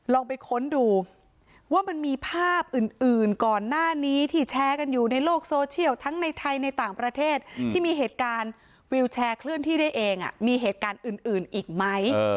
ลองไปค้นดูว่ามันมีภาพอื่นก่อนหน้านี้ที่แชร์กันอยู่ในโลกโซเชียลทั้งในไทยในต่างประเทศที่มีเหตุการณ์วิวแชร์เคลื่อนที่ได้เองมีเหตุการณ์อื่นอีกไหม